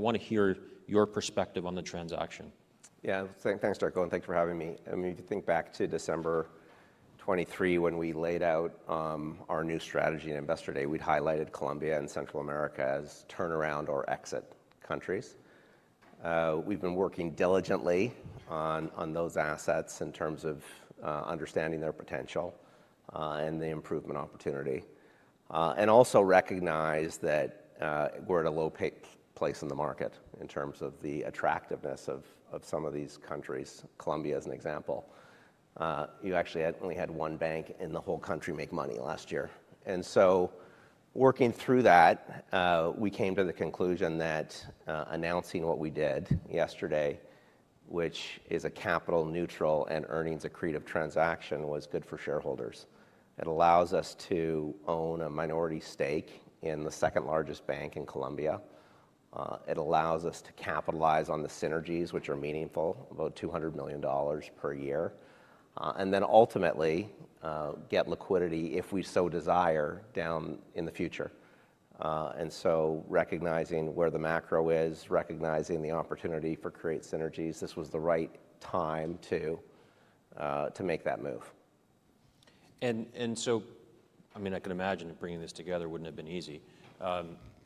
I want to hear your perspective on the transaction. Yeah, thanks, Darko, and thanks for having me. I mean, if you think back to December 2023, when we laid out our new strategy on Investor Day, we'd highlighted Colombia and Central America as turnaround or exit countries. We've been working diligently on those assets in terms of understanding their potential and the improvement opportunity, and also recognize that we're at a low point in the market in terms of the attractiveness of some of these countries. Colombia, as an example, you actually only had one bank in the whole country make money last year. And so, working through that, we came to the conclusion that announcing what we did yesterday, which is a capital-neutral and earnings-accretive transaction, was good for shareholders. It allows us to own a minority stake in the second-largest bank in Colombia. It allows us to capitalize on the synergies, which are meaningful, about $200 million per year, and then ultimately get liquidity, if we so desire, down in the future, and so recognizing where the macro is, recognizing the opportunity to create synergies, this was the right time to make that move. And so, I mean, I can imagine bringing this together wouldn't have been easy.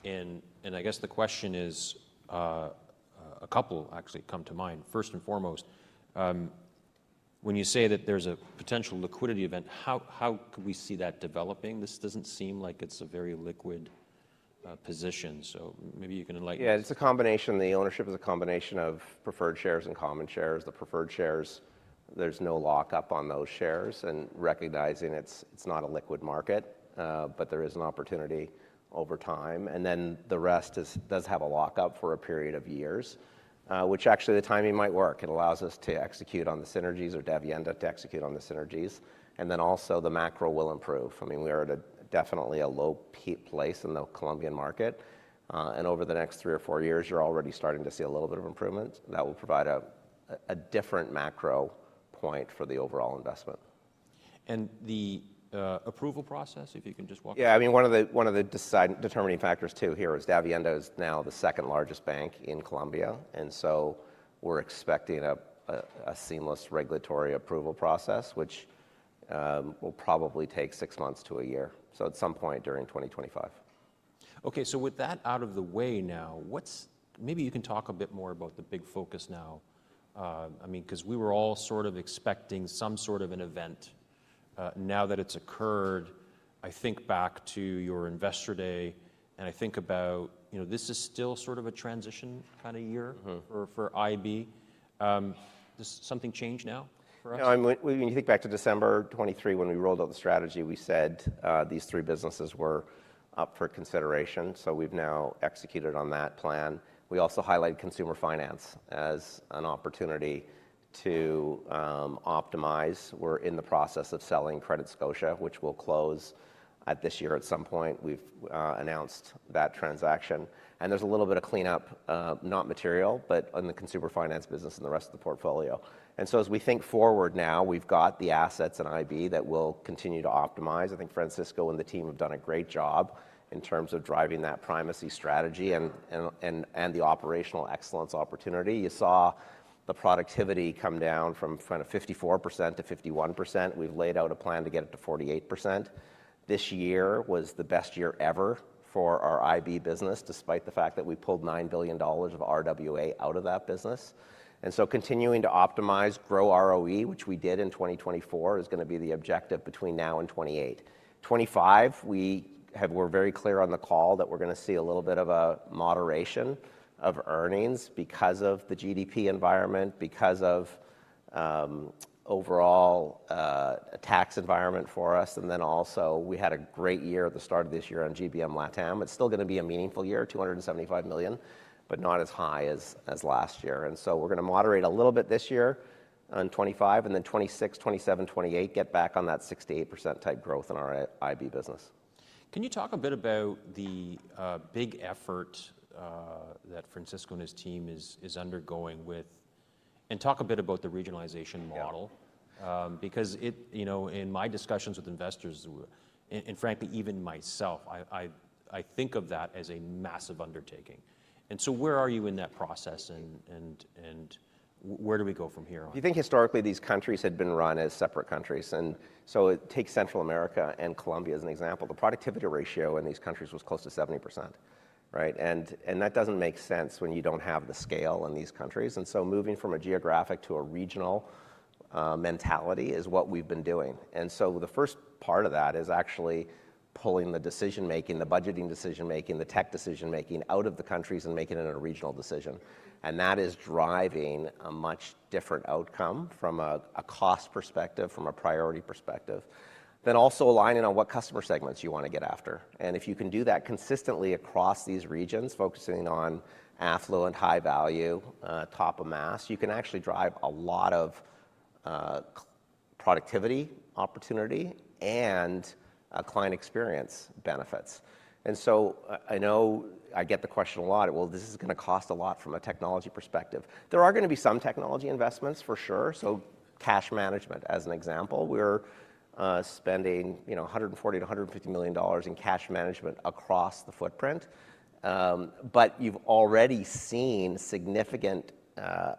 And I guess the question is, a couple actually come to mind. First and foremost, when you say that there's a potential liquidity event, how could we see that developing? This doesn't seem like it's a very liquid position. So maybe you can enlighten. Yeah, it's a combination. The ownership is a combination of preferred shares and common shares. The preferred shares, there's no lockup on those shares, and recognizing it's not a liquid market, but there is an opportunity over time, and then the rest does have a lockup for a period of years, which actually the timing might work. It allows us to execute on the synergies or Davivienda to execute on the synergies, and then also the macro will improve. I mean, we are at definitely a low point in the Colombian market. Over the next three or four years, you're already starting to see a little bit of improvement that will provide a different macro point for the overall investment. The approval process, if you can just walk us through. Yeah, I mean, one of the determining factors too here is Davivienda is now the second largest bank in Colombia, and so we're expecting a seamless regulatory approval process, which will probably take six months to a year, so at some point during 2025. Okay, so with that out of the way now, what's maybe you can talk a bit more about the big focus now. I mean, because we were all sort of expecting some sort of an event. Now that it's occurred, I think back to your Investor Day, and I think about, you know, this is still sort of a transition kind of year for IB. Does something change now for us? When you think back to December 2023, when we rolled out the strategy, we said these three businesses were up for consideration. So we've now executed on that plan. We also highlighted consumer finance as an opportunity to optimize. We're in the process of selling CrediScotia, which will close at this year at some point. We've announced that transaction. And there's a little bit of cleanup, not material, but in the consumer finance business and the rest of the portfolio. And so as we think forward now, we've got the assets in IB that will continue to optimize. I think Francisco and the team have done a great job in terms of driving that primacy strategy and the operational excellence opportunity. You saw the productivity come down from kind of 54% to 51%. We've laid out a plan to get it to 48%. This year was the best year ever for our IB business, despite the fact that we pulled 9 billion dollars of RWA out of that business. And so continuing to optimize, grow ROE, which we did in 2024, is going to be the objective between now and 2028. In 2025, we were very clear on the call that we're going to see a little bit of a moderation of earnings because of the GDP environment, because of overall tax environment for us. And then also we had a great year at the start of this year on GBM Latam. It's still going to be a meaningful year, 275 million, but not as high as last year. And so we're going to moderate a little bit this year on 2025, and then 2026, 2027, 2028, get back on that 68% type growth in our IB business. Can you talk a bit about the big effort that Francisco and his team is undergoing with, and talk a bit about the regionalization model? Because in my discussions with investors, and frankly, even myself, I think of that as a massive undertaking, and so where are you in that process, and where do we go from here? You think historically these countries had been run as separate countries. And so take Central America and Colombia as an example. The productivity ratio in these countries was close to 70%, right? And that doesn't make sense when you don't have the scale in these countries. And so moving from a geographic to a regional mentality is what we've been doing. And so the first part of that is actually pulling the decision-making, the budgeting decision-making, the tech decision-making out of the countries and making it a regional decision. And that is driving a much different outcome from a cost perspective, from a priority perspective, then also aligning on what customer segments you want to get after. And if you can do that consistently across these regions, focusing on affluent, high-value, top of mass, you can actually drive a lot of productivity opportunity and client experience benefits. And so I know I get the question a lot. Well, this is going to cost a lot from a technology perspective. There are going to be some technology investments for sure. So cash management, as an example, we're spending 140-150 million dollars in cash management across the footprint. But you've already seen significant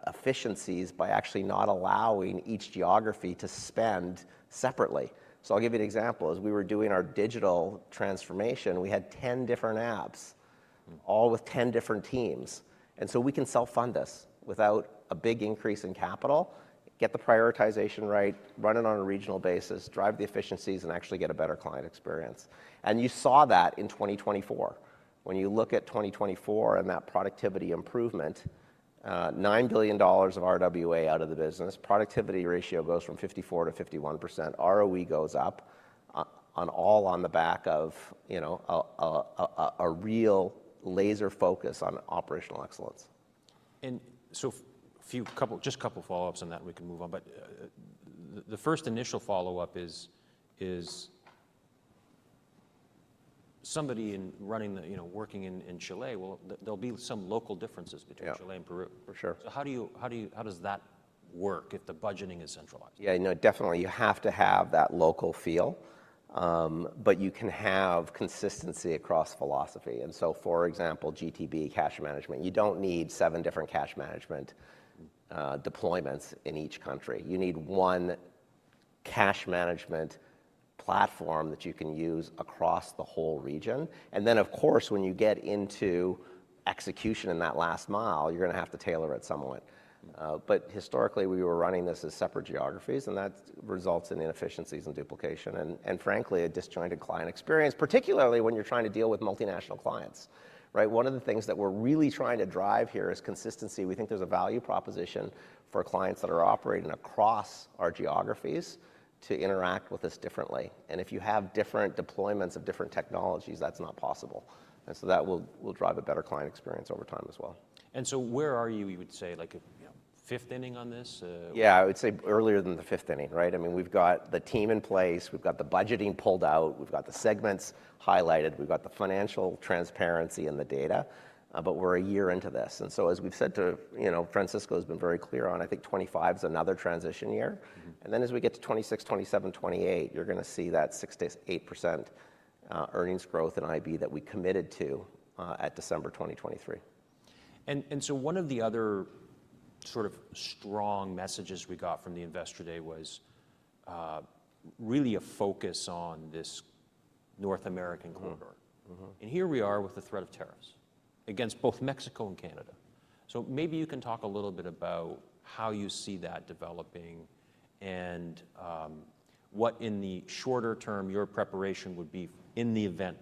efficiencies by actually not allowing each geography to spend separately. So I'll give you an example. As we were doing our digital transformation, we had 10 different apps, all with 10 different teams. And so we can self-fund this without a big increase in capital, get the prioritization right, run it on a regional basis, drive the efficiencies, and actually get a better client experience. And you saw that in 2024. When you look at 2024 and that productivity improvement, 9 billion dollars of RWA out of the business, productivity ratio goes from 54% to 51%. ROE goes up on the back of a real laser focus on operational excellence. And so just a couple of follow-ups on that, and we can move on. But the first initial follow-up is somebody working in Chile, well, there'll be some local differences between Chile and Peru. Yeah, for sure. So how does that work if the budgeting is centralized? Yeah, no, definitely. You have to have that local feel, but you can have consistency across philosophy. And so, for example, GTB cash management, you don't need seven different cash management deployments in each country. You need one cash management platform that you can use across the whole region. And then, of course, when you get into execution in that last mile, you're going to have to tailor it somewhat. But historically, we were running this as separate geographies, and that results in inefficiencies and duplication and, frankly, a disjointed client experience, particularly when you're trying to deal with multinational clients, right? One of the things that we're really trying to drive here is consistency. We think there's a value proposition for clients that are operating across our geographies to interact with us differently. And if you have different deployments of different technologies, that's not possible. That will drive a better client experience over time as well. Where are you? You would say like a fifth inning on this? Yeah, I would say earlier than the fifth inning, right? I mean, we've got the team in place, we've got the budgeting pulled out, we've got the segments highlighted, we've got the financial transparency and the data, but we're a year into this, and so, as we've said to, you know, Francisco has been very clear on, I think 2025 is another transition year, and then as we get to 2026, 2027, 2028, you're going to see that 6%-8% earnings growth in IB that we committed to at December 2023. And so one of the other sort of strong messages we got from the Investor Day was really a focus on this North American corridor. And here we are with the threat of tariffs against both Mexico and Canada. So maybe you can talk a little bit about how you see that developing and what in the shorter term your preparation would be in the event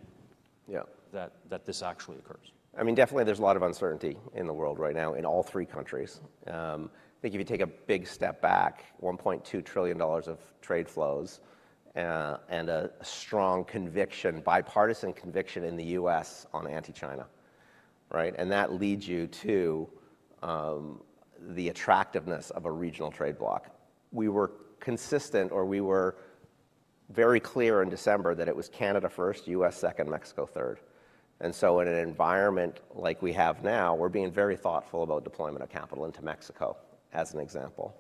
that this actually occurs. I mean, definitely there's a lot of uncertainty in the world right now in all three countries. I think if you take a big step back, 1.2 trillion dollars of trade flows and a strong conviction, bipartisan conviction in the U.S. on anti-China, right? And that leads you to the attractiveness of a regional trade block. We were consistent, or we were very clear in December that it was Canada first, U.S. second, Mexico third. And so in an environment like we have now, we're being very thoughtful about deployment of capital into Mexico, as an example.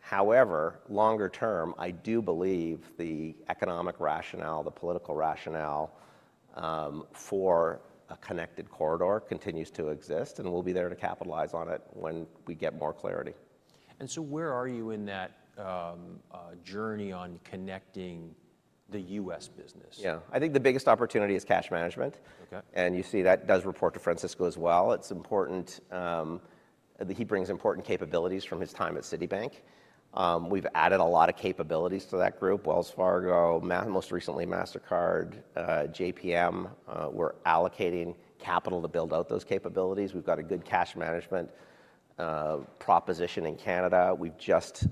However, longer term, I do believe the economic rationale, the political rationale for a connected corridor continues to exist and we'll be there to capitalize on it when we get more clarity. Where are you in that journey on connecting the U.S. business? Yeah, I think the biggest opportunity is cash management. And you see that does report to Francisco as well. It's important that he brings important capabilities from his time at Citibank. We've added a lot of capabilities to that group, Wells Fargo, most recently Mastercard, JPM. We're allocating capital to build out those capabilities. We've got a good cash management proposition in Canada. We've just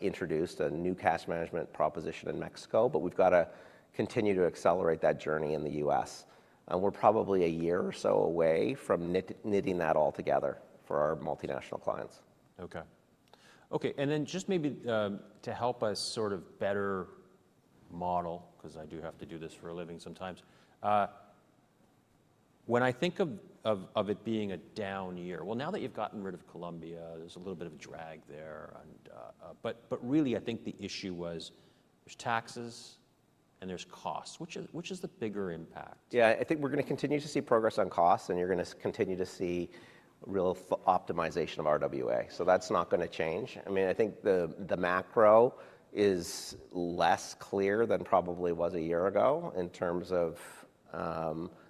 introduced a new cash management proposition in Mexico, but we've got to continue to accelerate that journey in the US. And we're probably a year or so away from knitting that all together for our multinational clients. Okay. Okay. And then just maybe to help us sort of better model, because I do have to do this for a living sometimes. When I think of it being a down year, well, now that you've gotten rid of Colombia, there's a little bit of a drag there. But really, I think the issue was there's taxes and there's costs, which is the bigger impact? Yeah, I think we're going to continue to see progress on costs and you're going to continue to see real optimization of RWA. So that's not going to change. I mean, I think the macro is less clear than probably was a year ago in terms of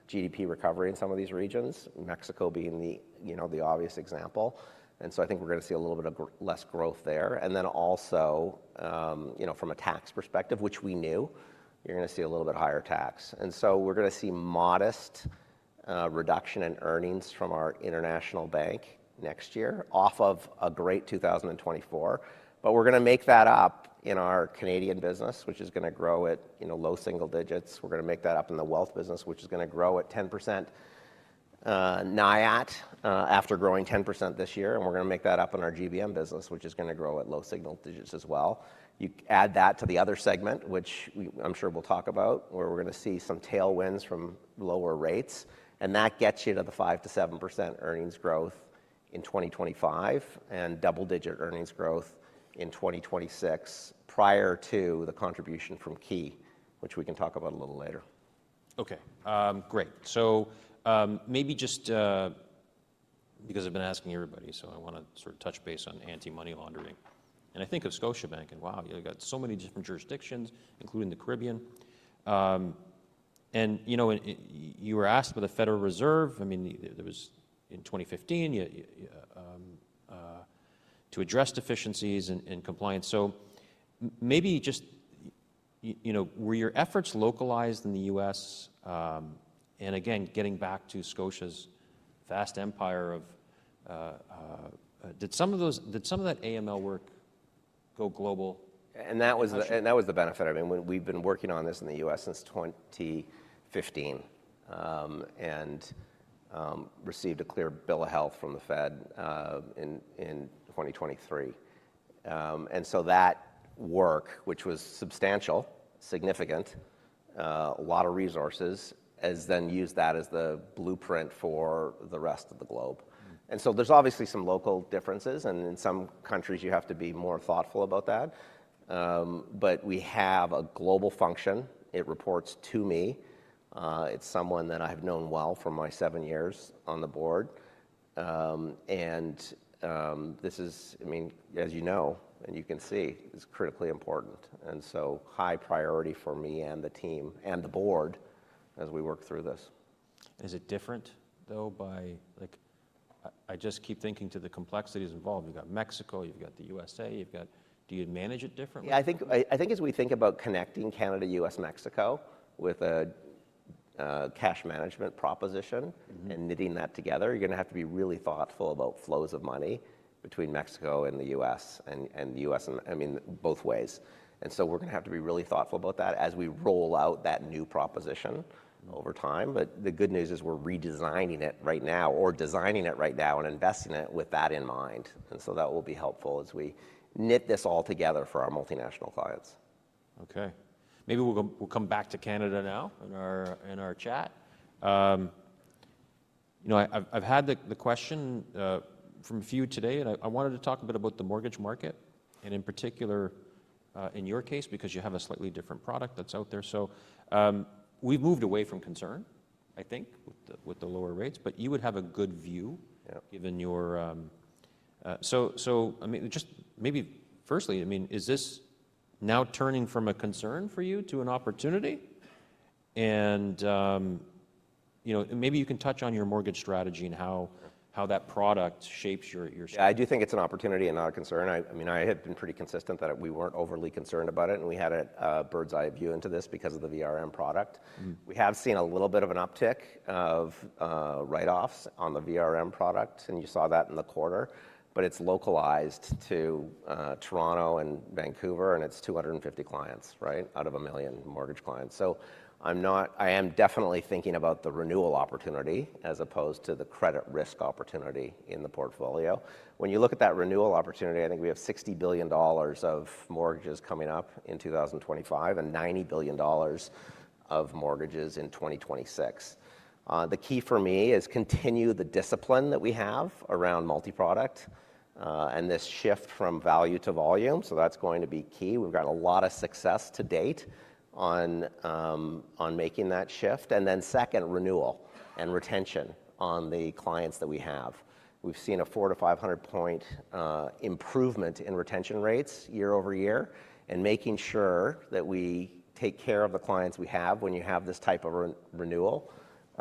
GDP recovery in some of these regions, Mexico being the obvious example. And so I think we're going to see a little bit of less growth there. And then also, you know, from a tax perspective, which we knew, you're going to see a little bit higher tax. And so we're going to see modest reduction in earnings from our international bank next year off of a great 2024. But we're going to make that up in our Canadian business, which is going to grow at low single digits. We're going to make that up in the wealth business, which is going to grow at 10% NIAT after growing 10% this year. And we're going to make that up in our GBM business, which is going to grow at low single digits as well. You add that to the other segment, which I'm sure we'll talk about, where we're going to see some tailwinds from lower rates. And that gets you to the 5%-7% earnings growth in 2025 and double-digit earnings growth in 2026 prior to the contribution from Key, which we can talk about a little later. Okay, great. So maybe just because I've been asking everybody, so I want to sort of touch base on anti-money laundering. And I think of Scotiabank and wow, you got so many different jurisdictions, including the Caribbean. And you know, you were asked by the Federal Reserve, I mean, there was in 2015 to address deficiencies in compliance. So maybe just, you know, were your efforts localized in the U.S.? And again, getting back to Scotia's vast empire of, did some of that AML work go global? And that was the benefit of it. I mean, we've been working on this in the U.S. since 2015 and received a clear bill of health from the Fed in 2023. And so that work, which was substantial, significant, a lot of resources, has then used that as the blueprint for the rest of the globe. And so there's obviously some local differences and in some countries you have to be more thoughtful about that. But we have a global function. It reports to me. It's someone that I have known well for my seven years on the board. And this is, I mean, as you know, and you can see, it's critically important. And so high priority for me and the team and the board as we work through this. Is it different though by, like, I just keep thinking to the complexities involved. You've got Mexico, you've got the USA, you've got, do you manage it differently? Yeah, I think as we think about connecting Canada, U.S., Mexico with a cash management proposition and knitting that together, you're going to have to be really thoughtful about flows of money between Mexico and the U.S. and the U.S., I mean, both ways, and so we're going to have to be really thoughtful about that as we roll out that new proposition over time, but the good news is we're redesigning it right now or designing it right now and investing it with that in mind, and so that will be helpful as we knit this all together for our multinational clients. Okay. Maybe we'll come back to Canada now in our chat. You know, I've had the question from a few today, and I wanted to talk a bit about the mortgage market and, in particular, in your case because you have a slightly different product that's out there, so we've moved away from concern, I think, with the lower rates, but you would have a good view given your, so I mean, just maybe firstly, I mean, is this now turning from a concern for you to an opportunity, and you know, maybe you can touch on your mortgage strategy and how that product shapes your. Yeah, I do think it's an opportunity and not a concern. I mean, I had been pretty consistent that we weren't overly concerned about it and we had a bird's eye view into this because of the VRM product. We have seen a little bit of an uptick of write-offs on the VRM product and you saw that in the quarter, but it's localized to Toronto and Vancouver and it's 250 clients, right, out of a million mortgage clients. So I'm not, I am definitely thinking about the renewal opportunity as opposed to the credit risk opportunity in the portfolio. When you look at that renewal opportunity, I think we have 60 billion dollars of mortgages coming up in 2025 and 90 billion dollars of mortgages in 2026. The key for me is continue the discipline that we have around multi-product and this shift from value to volume. So that's going to be key. We've got a lot of success to date on making that shift. And then second, renewal and retention on the clients that we have. We've seen a 400-500 point improvement in retention rates year over year. And making sure that we take care of the clients we have when you have this type of renewal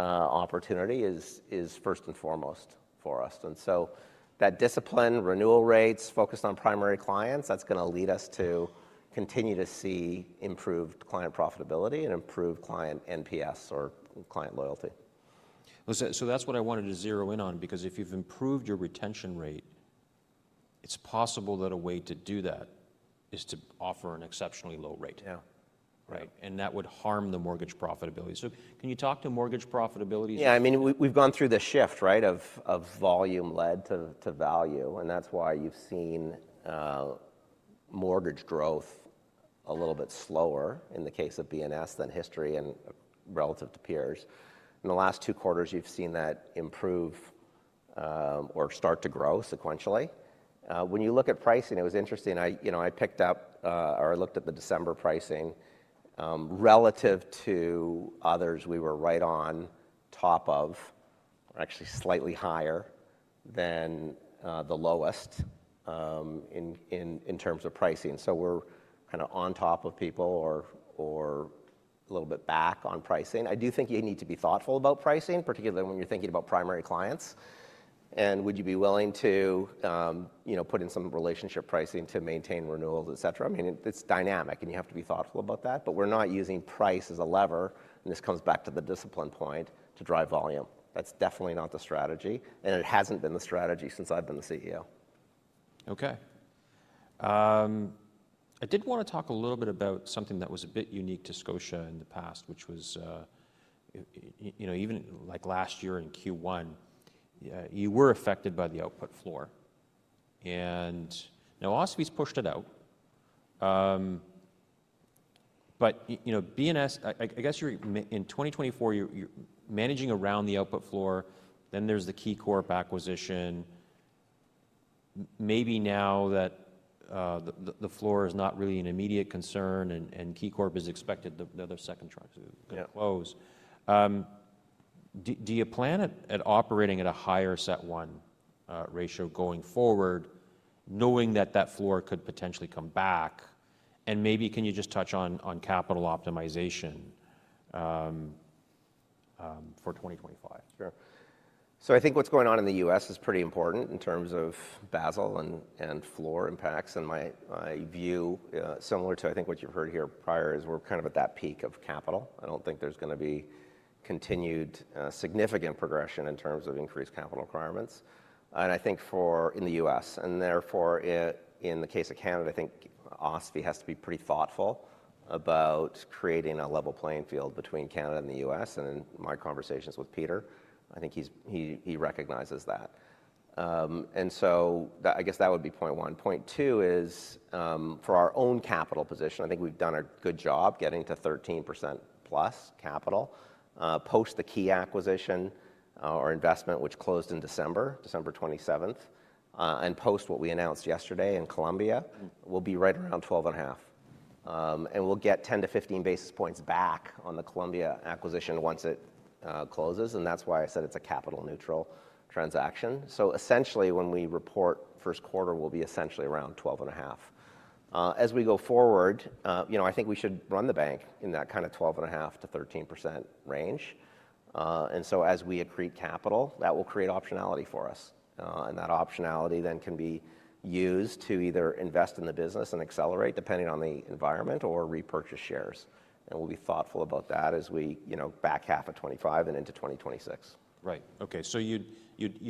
opportunity is first and foremost for us. And so that discipline, renewal rates focused on primary clients, that's going to lead us to continue to see improved client profitability and improved client NPS or client loyalty. So that's what I wanted to zero in on because if you've improved your retention rate, it's possible that a way to do that is to offer an exceptionally low rate. Yeah. Right. And that would harm the mortgage profitability. So can you talk to mortgage profitability? Yeah, I mean, we've gone through the shift, right, of volume led to value. And that's why you've seen mortgage growth a little bit slower in the case of BNS than history and relative to peers. In the last two quarters, you've seen that improve or start to grow sequentially. When you look at pricing, it was interesting. You know, I picked up or I looked at the December pricing relative to others. We were right on top of, or actually slightly higher than the lowest in terms of pricing. So we're kind of on top of people or a little bit back on pricing. I do think you need to be thoughtful about pricing, particularly when you're thinking about primary clients. And would you be willing to, you know, put in some relationship pricing to maintain renewals, et cetera? I mean, it's dynamic and you have to be thoughtful about that. But we're not using price as a lever. And this comes back to the discipline point to drive volume. That's definitely not the strategy. And it hasn't been the strategy since I've been the CEO. Okay. I did want to talk a little bit about something that was a bit unique to Scotia in the past, which was, you know, even like last year in Q1, you were affected by the output floor. And now OSFI's pushed it out. But you know, BNS, I guess you're in 2024, you're managing around the output floor. Then there's the KeyCorp acquisition. Maybe now that the floor is not really an immediate concern and KeyCorp is expected to close in the second half. Do you plan on operating at a higher CET1 ratio going forward knowing that that floor could potentially come back? And maybe can you just touch on capital optimization for 2025? Sure. So I think what's going on in the US is pretty important in terms of Basel and floor impacts. And my view, similar to I think what you've heard here prior, is we're kind of at that peak of capital. I don't think there's going to be continued significant progression in terms of increased capital requirements. And I think for in the US and therefore in the case of Canada, I think OSFI has to be pretty thoughtful about creating a level playing field between Canada and the US. And in my conversations with Peter, I think he recognizes that. And so I guess that would be point one. Point two is for our own capital position, I think we've done a good job getting to 13% plus capital post the Key acquisition or investment, which closed in December, December 27th. And post what we announced yesterday in Colombia, we'll be right around 12.5%. And we'll get 10 to 15 basis points back on the Colombia acquisition once it closes. And that's why I said it's a capital neutral transaction. So essentially when we report first quarter, we'll be essentially around 12.5%. As we go forward, you know, I think we should run the bank in that kind of 12.5%-13% range. And so as we accrete capital, that will create optionality for us. And that optionality then can be used to either invest in the business and accelerate depending on the environment or repurchase shares. And we'll be thoughtful about that as we, you know, back half of 2025 and into 2026. Right. Okay. So you, I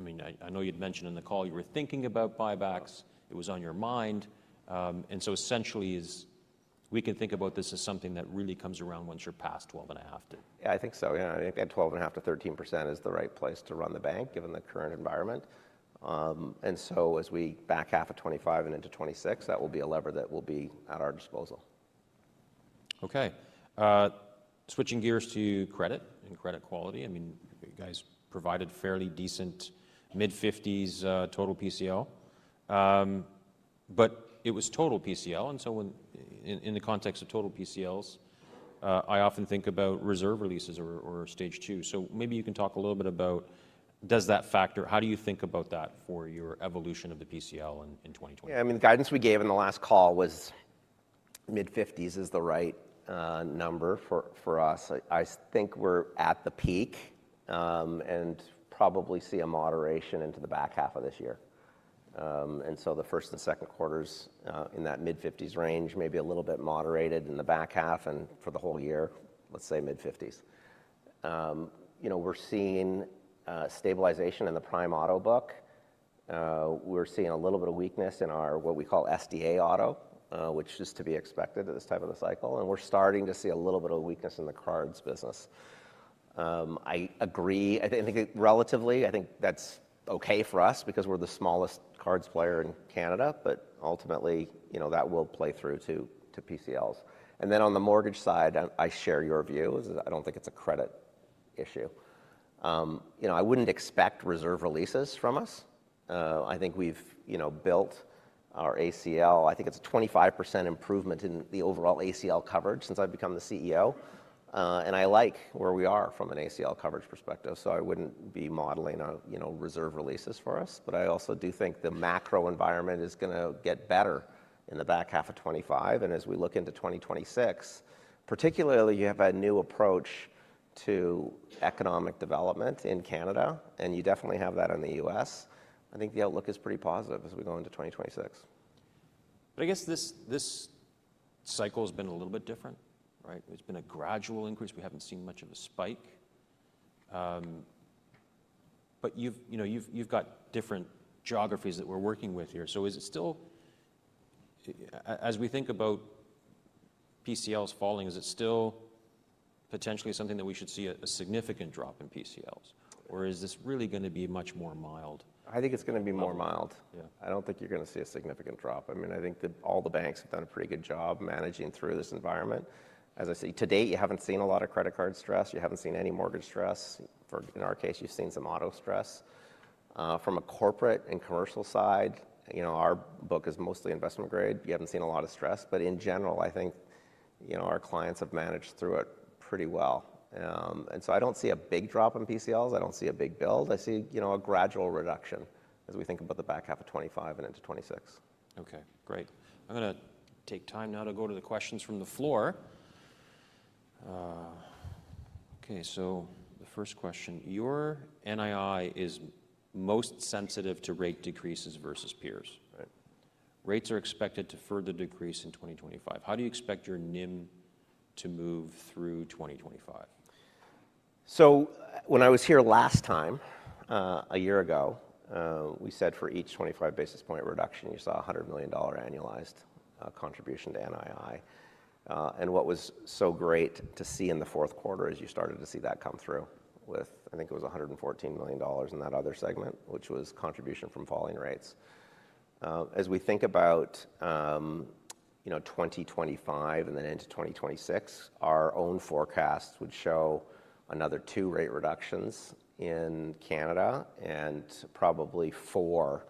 mean, I know you'd mentioned in the call you were thinking about buybacks. It was on your mind. And so essentially we can think about this as something that really comes around once you're past 12.5 to. Yeah, I think so. Yeah. I think that 12.5%-13% is the right place to run the bank given the current environment. And so as we back half of 2025 and into 2026, that will be a lever that will be at our disposal. Okay. Switching gears to credit and credit quality. I mean, you guys provided fairly decent mid-50s total PCL. But it was total PCL. And so in the context of total PCLs, I often think about reserve releases or stage two. So maybe you can talk a little bit about, does that factor, how do you think about that for your evolution of the PCL in 2020? Yeah. I mean, the guidance we gave in the last call was mid-50s is the right number for us. I think we're at the peak and probably see a moderation into the back half of this year. And so the first and second quarters in that mid-50s range, maybe a little bit moderated in the back half and for the whole year, let's say mid-50s. You know, we're seeing stabilization in the prime auto book. We're seeing a little bit of weakness in our what we call SDA auto, which is to be expected at this type of a cycle. And we're starting to see a little bit of weakness in the cards business. I agree. I think relatively, I think that's okay for us because we're the smallest cards player in Canada. But ultimately, you know, that will play through to PCLs. And then on the mortgage side, I share your views. I don't think it's a credit issue. You know, I wouldn't expect reserve releases from us. I think we've, you know, built our ACL. I think it's a 25% improvement in the overall ACL coverage since I've become the CEO. And I like where we are from an ACL coverage perspective. So I wouldn't be modeling a, you know, reserve releases for us. But I also do think the macro environment is going to get better in the back half of 2025. And as we look into 2026, particularly you have a new approach to economic development in Canada. And you definitely have that in the U.S. I think the outlook is pretty positive as we go into 2026. But I guess this cycle has been a little bit different, right? It's been a gradual increase. We haven't seen much of a spike. But you've, you know, you've got different geographies that we're working with here. So is it still, as we think about PCLs falling, is it still potentially something that we should see a significant drop in PCLs? Or is this really going to be much more mild? I think it's going to be more mild. I don't think you're going to see a significant drop. I mean, I think that all the banks have done a pretty good job managing through this environment. As I say, to date, you haven't seen a lot of credit card stress. You haven't seen any mortgage stress. In our case, you've seen some auto stress. From a corporate and commercial side, you know, our book is mostly investment grade. You haven't seen a lot of stress. But in general, I think, you know, our clients have managed through it pretty well. And so I don't see a big drop in PCLs. I don't see a big build. I see, you know, a gradual reduction as we think about the back half of 2025 and into 2026. Okay. Great. I'm going to take time now to go to the questions from the floor. Okay. So the first question, your NII is most sensitive to rate decreases versus peers. Rates are expected to further decrease in 2025. How do you expect your NIM to move through 2025? So when I was here last time, a year ago, we said for each 25 basis point reduction, you saw a 100 million dollar annualized contribution to NII. And what was so great to see in the fourth quarter is you started to see that come through with, I think it was 114 million dollars in that other segment, which was contribution from falling rates. As we think about, you know, 2025 and then into 2026, our own forecasts would show another two rate reductions in Canada and probably four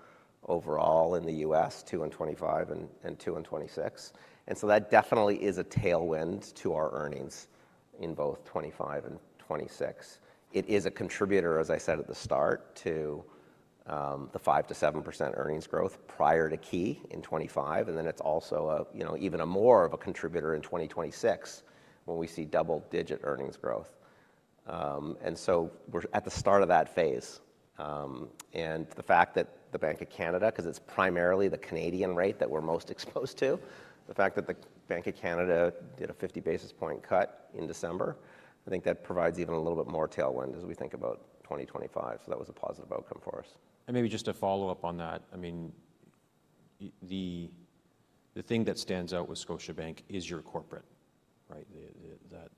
overall in the U.S., two in 2025 and two in 2026. And so that definitely is a tailwind to our earnings in both 2025 and 2026. It is a contributor, as I said at the start, to the 5%-7% earnings growth prior to key in 2025. And then it's also a, you know, even more of a contributor in 2026 when we see double-digit earnings growth. And so we're at the start of that phase. And the fact that the Bank of Canada, because it's primarily the Canadian rate that we're most exposed to, the fact that the Bank of Canada did a 50 basis points cut in December, I think that provides even a little bit more tailwind as we think about 2025. So that was a positive outcome for us. And maybe just to follow up on that, I mean, the thing that stands out with Scotiabank is your corporate, right? That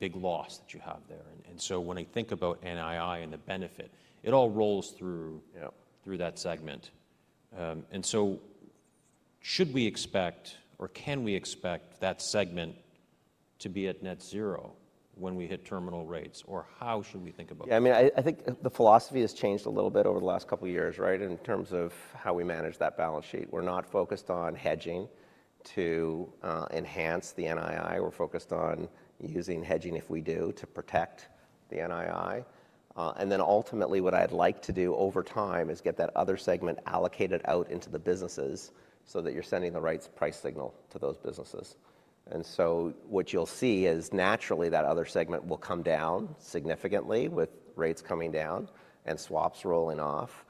big loss that you have there. And so when I think about NII and the benefit, it all rolls through that segment. And so should we expect or can we expect that segment to be at net zero when we hit terminal rates? Or how should we think about that? Yeah. I mean, I think the philosophy has changed a little bit over the last couple of years, right? In terms of how we manage that balance sheet, we're not focused on hedging to enhance the NII. We're focused on using hedging if we do to protect the NII, and then ultimately what I'd like to do over time is get that other segment allocated out into the businesses so that you're sending the right price signal to those businesses, and so what you'll see is naturally that other segment will come down significantly with rates coming down and swaps rolling off,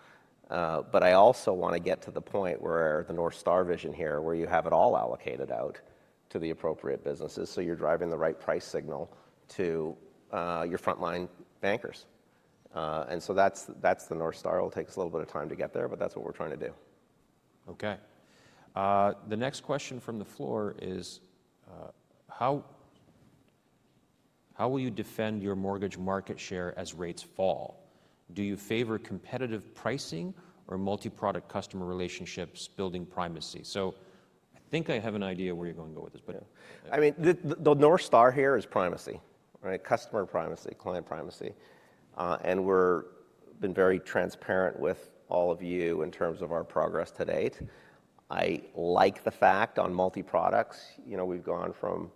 but I also want to get to the point where the North Star vision here where you have it all allocated out to the appropriate businesses, so you're driving the right price signal to your frontline bankers, and so that's the North Star. It'll take us a little bit of time to get there, but that's what we're trying to do. Okay. The next question from the floor is, how will you defend your mortgage market share as rates fall? Do you favor competitive pricing or multi-product customer relationships building primacy? So I think I have an idea where you're going to go with this, but. I mean, the North Star here is primacy, right? Customer primacy, client primacy. And we've been very transparent with all of you in terms of our progress to date. I like the fact on multi-products, you know, we've gone from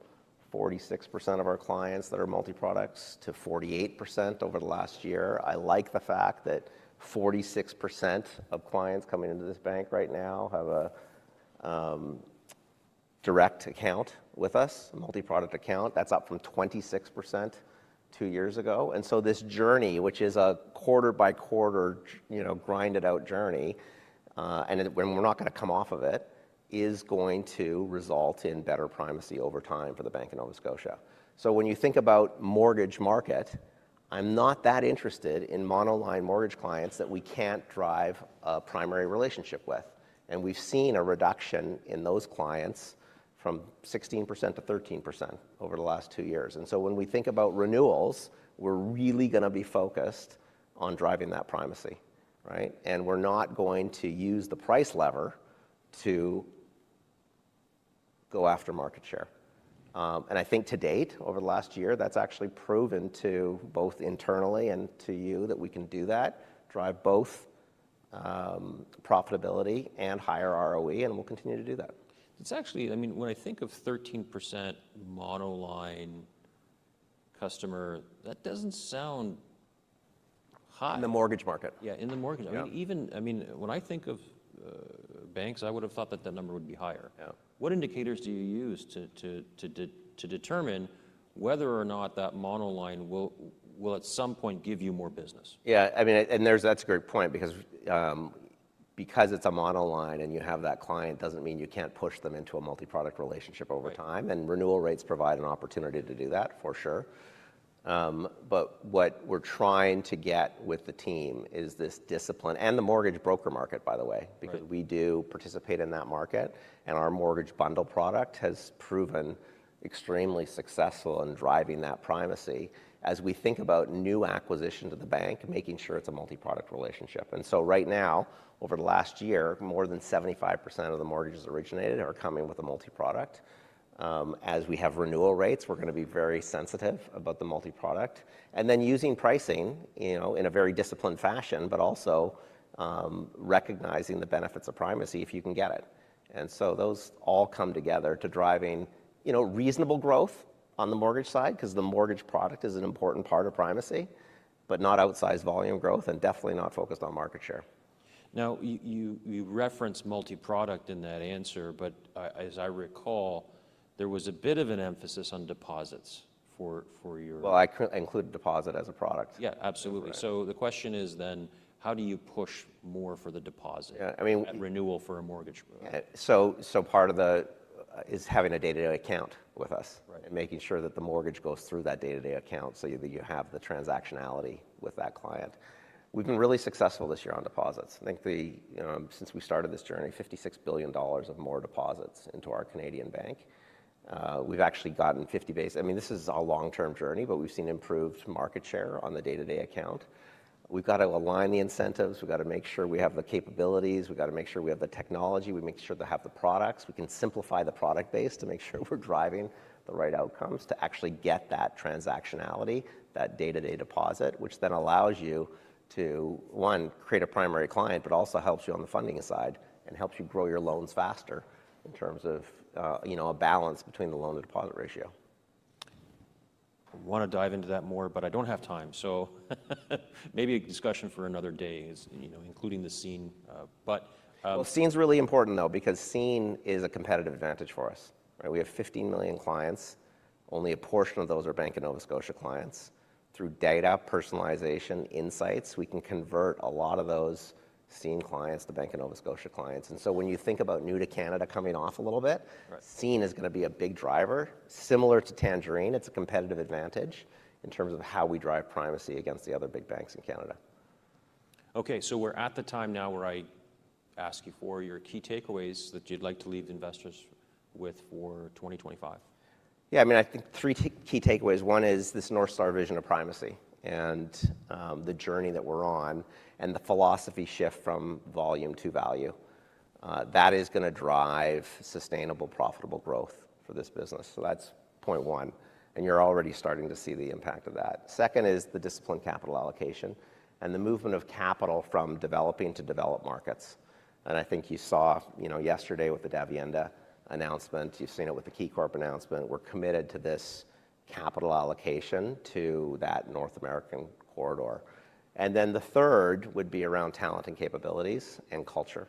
46% of our clients that are multi-products to 48% over the last year. I like the fact that 46% of clients coming into this bank right now have a direct account with us, a multi-product account. That's up from 26% two years ago. And so this journey, which is a quarter by quarter, you know, grinded out journey, and we're not going to come off of it, is going to result in better primacy over time for the Bank of Nova Scotia. So when you think about mortgage market, I'm not that interested in monoline mortgage clients that we can't drive a primary relationship with. And we've seen a reduction in those clients from 16% to 13% over the last two years. And so when we think about renewals, we're really going to be focused on driving that primacy, right? And we're not going to use the price lever to go after market share. And I think to date, over the last year, that's actually proven to both internally and to you that we can do that, drive both profitability and higher ROE, and we'll continue to do that. It's actually, I mean, when I think of 13% monoline customer, that doesn't sound high. In the mortgage market. Yeah. In the mortgage market. I mean, even, I mean, when I think of banks, I would have thought that that number would be higher. What indicators do you use to determine whether or not that monoline will at some point give you more business? Yeah. I mean, and that's a great point because it's a monoline and you have that client doesn't mean you can't push them into a multi-product relationship over time. And renewal rates provide an opportunity to do that for sure. But what we're trying to get with the team is this discipline in the mortgage broker market, by the way, because we do participate in that market. And our mortgage bundle product has proven extremely successful in driving that primacy as we think about new acquisitions of the bank and making sure it's a multi-product relationship. And so right now, over the last year, more than 75% of the mortgages originated are coming with a multi-product. As we have renewal rates, we're going to be very sensitive about the multi-product. And then using pricing, you know, in a very disciplined fashion, but also recognizing the benefits of primacy if you can get it. And so those all come together to driving, you know, reasonable growth on the mortgage side because the mortgage product is an important part of primacy, but not outsized volume growth and definitely not focused on market share. Now, you referenced multi-product in that answer, but as I recall, there was a bit of an emphasis on deposits for your. I included deposit as a product. Yeah. Absolutely, so the question is then, how do you push more for the deposit? Yeah. I mean. Renewal for a mortgage. Part of this is having a day-to-day account with us and making sure that the mortgage goes through that day-to-day account so that you have the transactionality with that client. We've been really successful this year on deposits. I think, you know, since we started this journey, 56 billion dollars of more deposits into our Canadian bank. We've actually gotten 50 basis points. I mean, this is a long-term journey, but we've seen improved market share on the day-to-day account. We've got to align the incentives. We've got to make sure we have the capabilities. We've got to make sure we have the technology. We make sure they have the products. We can simplify the product base to make sure we're driving the right outcomes to actually get that transactionality, that day-to-day deposit, which then allows you to, one, create a primary client, but also helps you on the funding side and helps you grow your loans faster in terms of, you know, a balance between the loan to deposit ratio. I want to dive into that more, but I don't have time. So, maybe a discussion for another day is, you know, including the Scene. But. Scene is really important though because Scene is a competitive advantage for us, right? We have 15 million clients. Only a portion of those are Bank of Nova Scotia clients. Through data personalization insights, we can convert a lot of those Scene clients to Bank of Nova Scotia clients. And so when you think about new to Canada coming off a little bit, Scene is going to be a big driver. Similar to Tangerine, it's a competitive advantage in terms of how we drive primacy against the other big banks in Canada. Okay. So we're at the time now where I ask you for your key takeaways that you'd like to leave the investors with for 2025. Yeah. I mean, I think three key takeaways. One is this North Star vision of primacy and the journey that we're on and the philosophy shift from volume to value. That is going to drive sustainable, profitable growth for this business. So that's point one. And you're already starting to see the impact of that. Second is the disciplined capital allocation and the movement of capital from developing to developed markets. And I think you saw, you know, yesterday with the Davivienda announcement, you've seen it with the KeyCorp announcement. We're committed to this capital allocation to that North American corridor. And then the third would be around talent and capabilities and culture.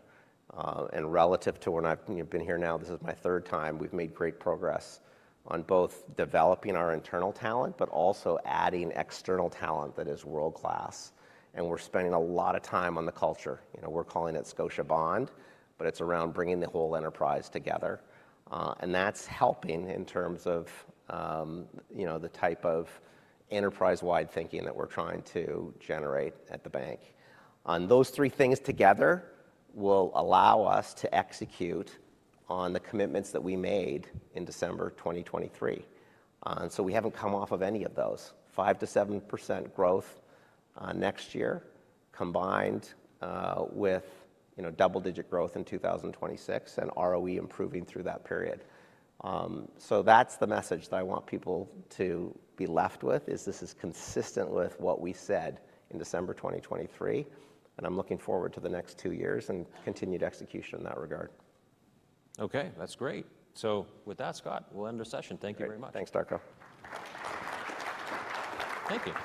And relative to when I've been here now, this is my third time. We've made great progress on both developing our internal talent, but also adding external talent that is world-class. We're spending a lot of time on the culture. You know, we're calling it Scotia Bond, but it's around bringing the whole enterprise together. That's helping in terms of, you know, the type of enterprise-wide thinking that we're trying to generate at the bank. Those three things together will allow us to execute on the commitments that we made in December 2023. We haven't come off of any of those: 5%-7% growth next year combined with, you know, double-digit growth in 2026 and ROE improving through that period. That's the message that I want people to be left with. This is consistent with what we said in December 2023. I'm looking forward to the next two years and continued execution in that regard. Okay. That's great. So with that, Scott, we'll end our session. Thank you very much. Thanks, Darko. Thank you.